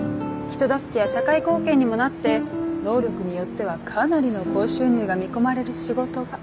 人助けや社会貢献にもなって能力によってはかなりの高収入が見込まれる仕事が。